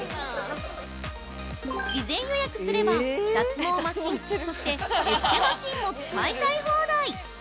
◆事前予約すれば脱毛マシンそしてエステマシンも使いたい放題！